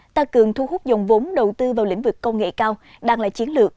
tăng cường thu hút dòng vốn đầu tư vào lĩnh vực công nghệ cao đang là chiến lược